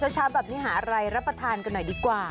เช้าแบบนี้หาอะไรรับประทานกันหน่อยดีกว่า